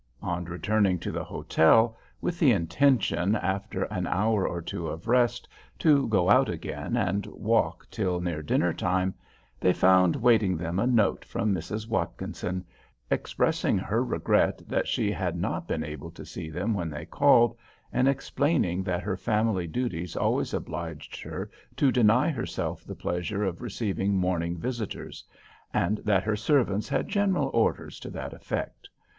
On returning to the hotel, with the intention after an hour or two of rest to go out again, and walk till near dinner time, they found waiting them a note from Mrs. Watkinson, expressing her regret that she had not been able to see them when they called; and explaining that her family duties always obliged her to deny herself the pleasure of receiving morning visitors, and that her servants had general orders to that effect.